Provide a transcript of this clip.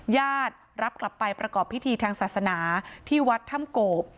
ญาติรับกลับไปประกอบพิธีทางศาสนาที่วัดถ้ำโกบ